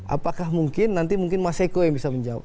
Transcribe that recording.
apakah mungkin nanti mungkin mas eko yang bisa menjawab